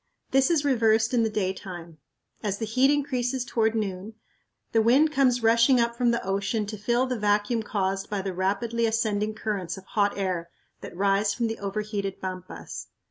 This is reversed in the daytime. As the heat increases toward noon, the wind comes rushing up from the ocean to fill the vacuum caused by the rapidly ascending currents of hot air that rise from the overheated pampas.